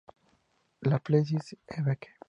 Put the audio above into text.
Le Plessis-l'Évêque